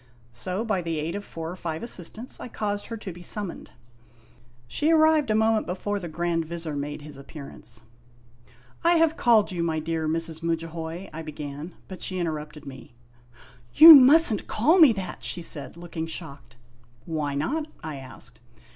So, by the aid of four or five assis tants, I caused her to be summoned. She arrived a moment before the Grand Vizir made his appearance. " I have called you, my dear Mrs. Mudjahoy ' I began, but she interrupted me. THE SEQUEL 59 " You must n't call me that !" she said, looking shocked. "Why not?" I asked.